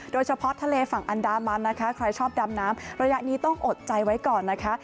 โดยเฉพาะทะเลฝั่งอันดามันนะคะใครชอบดำน้ำระยะนี้ต้องอดใจไว้ก่อนนะคะ